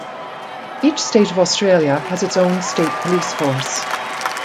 Each state of Australia has its own state police force.